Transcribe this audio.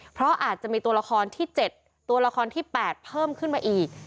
เพราะอาจจะมีตัวละครที่๗ตัวละครที่๘เพิ่มขึ้นมาอีก